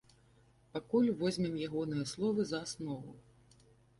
Пакуль возьмем ягоныя словы за аснову.